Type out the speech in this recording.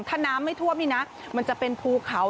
ถ้าน้ำไม่ท่วมนี่นะมันจะเป็นภูเขา